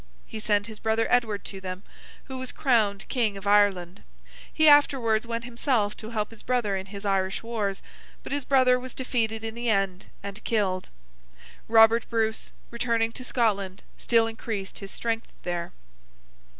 He sent his brother Edward to them, who was crowned King of Ireland. He afterwards went himself to help his brother in his Irish wars, but his brother was defeated in the end and killed. Robert Bruce, returning to Scotland, still increased his strength there.